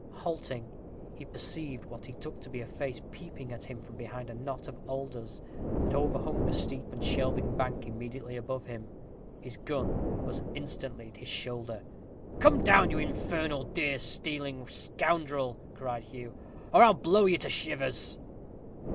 Halting, he perceived what he took to be a face peeping at him from behind a knot of alders that overhung the steep and shelving bank immediately above him. His gun was instantly at his shoulder. "Come down, you infernal deer stealing scoundrel," cried Hugh, "or I'll blow you to shivers."